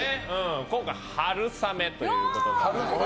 今回、春雨ということで。